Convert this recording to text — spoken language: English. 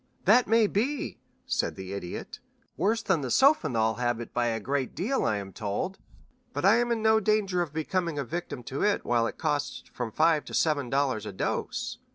"That may be," said the Idiot; "worse than the sulfonal habit by a great deal, I am told; but I am in no danger of becoming a victim to it while it costs from five to seven dollars a dose.